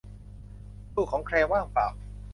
ตู้ของแคลร์ว่างเปล่า